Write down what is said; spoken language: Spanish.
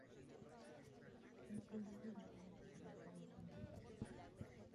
Los caudillos llevaban consigo camas desmontables.